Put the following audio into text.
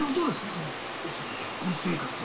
その奥さんと結婚生活は。